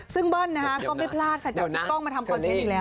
ซึ่งเบิ้ลนะฮะก็ไม่พลาดจากที่พิกกองมาทำคอนเทนต์อีกแล้ว